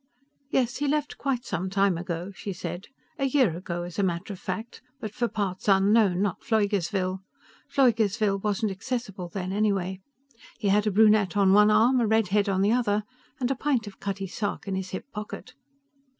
"Yes, he left quite some time ago," she said. "A year ago, as a matter of fact. But for parts unknown, not Pfleugersville. Pfleugersville wasn't accessible then, anyway. He had a brunette on one arm, a redhead on the other, and a pint of Cutty Sark in his hip pocket."